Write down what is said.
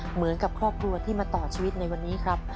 เหมือนกับครอบครัวที่มาต่อชีวิตในวันนี้ครับ